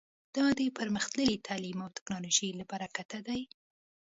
دا د پرمختللي تعلیم او ټکنالوژۍ له برکته دی